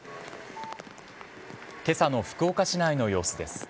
今朝の福岡市内の様子です。